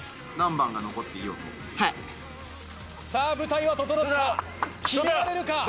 さぁ舞台は整った決められるか？